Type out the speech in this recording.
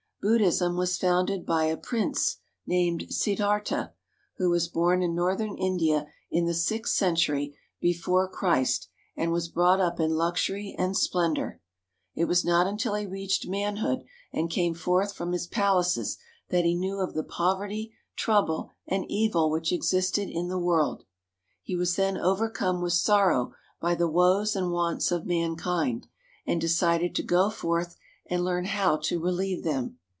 Buddhism was founded by a prince, named Siddhartha (se dar't'ha), who was born in northern India in the sixth century before Christ and was brought up in luxury and splendor. It was not until he reached manhood and came forth from his palaces that he knew of the poverty, trouble, and evil which existed in the world. He was then overcome with sorrow by the woes and wants of mankind, and decided to go forth and learn how to relieve them.